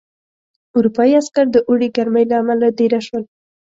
اروپايي عسکر د اوړي ګرمۍ له امله دېره شول.